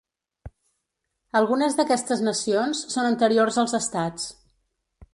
Algunes d’aquestes nacions són anteriors als estats.